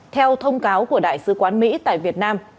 theo thông cáo của đại sứ quán mỹ tại việt nam